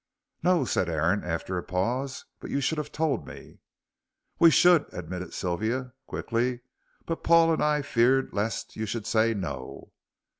"No," said Aaron, after a pause, "but you should have told me." "We should," admitted Sylvia, quickly, "but Paul and I feared lest you should say 'No.'"